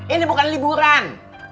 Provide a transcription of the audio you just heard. ini bukan liburan